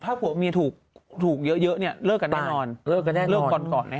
ถ้าผัวเมียถูกเยอะเนี่ยเลิกกันแน่นอนเลิกกันแน่นอน